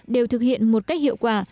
đều thực hiện một cách hiệu quả